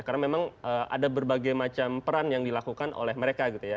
karena memang ada berbagai macam peran yang dilakukan oleh mereka gitu ya